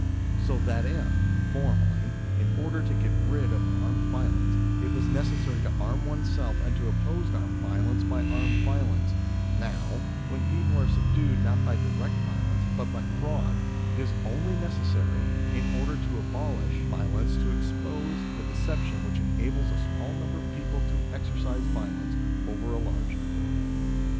So that if, formerly, in order to get rid of armed violence, it was necessary to arm oneself and to oppose armed violence by armed violence, now, when people are subdued not by direct violence but by fraud, it is only necessary, in order to abolish violence, to expose the deception which enables a small number of people to exercise violence over a larger number.